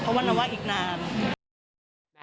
เพราะว่าเราว่าอีกนาน